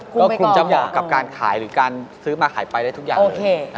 ก็คงจะเหมาะกับการขายหรือการซื้อมาขายไฟได้ทุกอย่างเลย